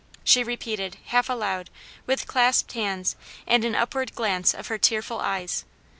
'" she repeated, half aloud, with clasped hands, and an upward glance of her tearful eyes.